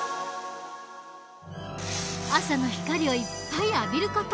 朝の光をいっぱい浴びる事。